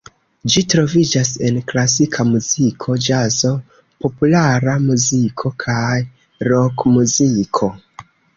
Ĝi troviĝas en klasika muziko, ĵazo, populara muziko kaj rokmuziko.